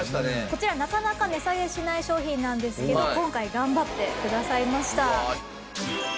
こちらなかなか値下げしない商品なんですけど今回頑張ってくださいました。